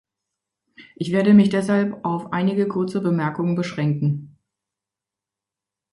Ich werde mich deshalb auf einige kurze Bemerkungen beschränken.